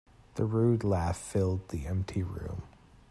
The rude laugh filled the empty room.